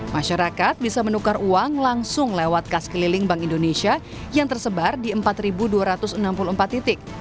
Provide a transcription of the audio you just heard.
masyarakat bisa menukar uang langsung lewat kas keliling bank indonesia yang tersebar di empat dua ratus enam puluh empat titik